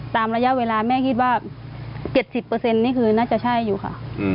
ตามระยะเวลาแม่คิดว่า๗๐นี่คือน่าจะใช่อยู่ค่ะ